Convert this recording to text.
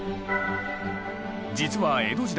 実は江戸時代